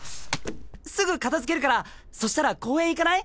すぐ片づけるからそしたら公園行かない！？